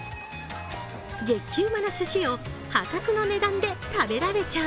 激うまなすしを破格の値段で食べられちゃう。